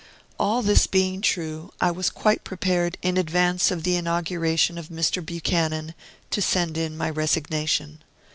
All this being true, I was quite prepared, in advance of the inauguration of Mr. Buchanan, to send in my resignation.